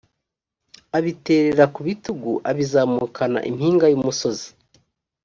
abiterera ku bitugu abizamukana impinga y umusozi